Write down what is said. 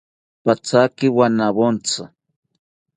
Pathaki wanawontzi